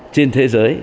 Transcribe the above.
trên thế giới